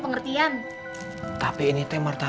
mengapa kacau dia sendiri